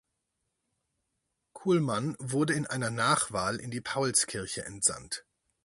Culmann wurde in einer Nachwahl in die Paulskirche entsandt.